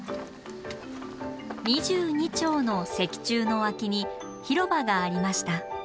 二十二町の石柱の脇に広場がありました。